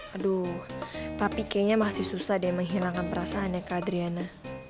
aduh tapi kayaknya masih susah deh menghilangkan perasaannya kak adriana